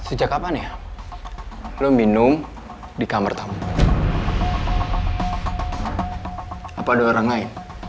ada gelas isi air udah keminum